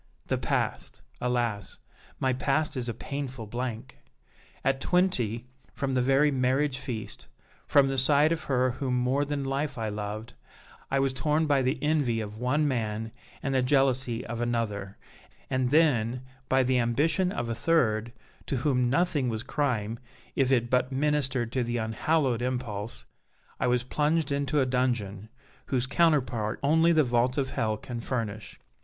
The past! alas! my past is a painful blank! At twenty, from the very marriage feast, from the side of her whom more than life I loved, I was torn by the envy of one man and the jealousy of another, and then, by the ambition of a third, to whom nothing was crime if it but ministered to that unhallowed impulse, I was plunged into a dungeon, whose counterpart only the vaults of hell can furnish.